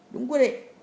đúng quyết định